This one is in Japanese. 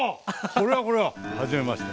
これはこれははじめまして！